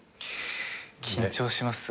緊張しますよ